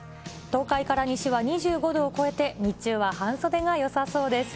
東海から西は２５度を超えて日中は半袖がよさそうです。